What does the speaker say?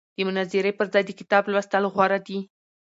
د مناظرې پر ځای د کتاب لوستل غوره دي.